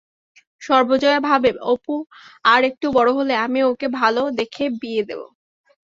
সর্বজয়া ভাবে-অপু আর একটু বড় হলে আমি ওকে ভালো দেখে বিয়ে দেবো।